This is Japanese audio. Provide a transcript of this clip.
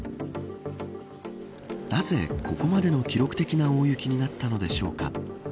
なぜ、ここまでの記録的な大雪になったのでしょうか。